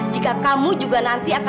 jika kamu juga nanti akan